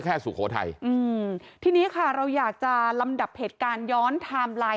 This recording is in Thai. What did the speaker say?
สุโขทัยอืมทีนี้ค่ะเราอยากจะลำดับเหตุการณ์ย้อนไทม์ไลน์